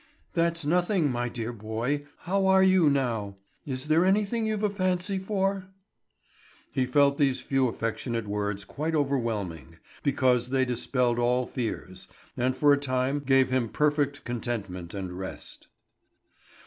"That's nothing, my dear boy. How are you now? Is there anything you've a fancy for?" He felt these few affectionate words quite overwhelming, because they dispelled all fears, and for a time gave him perfect contentment and rest.